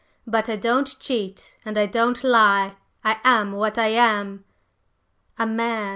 But I don't cheat, and I don't lie. I am what I am. …" "A man!"